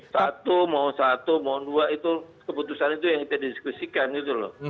satu mau satu mau dua itu keputusan itu yang kita diskusikan gitu loh